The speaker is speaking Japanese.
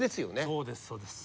そうですそうです。